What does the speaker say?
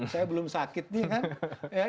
saya belum sakit nih kan